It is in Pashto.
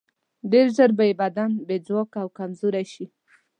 ډېر ژر به یې بدن بې ځواکه او کمزوری شي.